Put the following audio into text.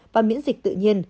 và miễn dịch tự nhiên